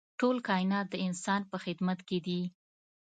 ټول کاینات د انسان په خدمت کې دي.